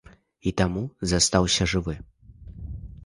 І таму застаўся жывы.